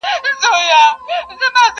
ته چي هري خواته ځې ځه پر هغه ځه!!